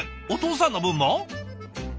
お父さんの分も？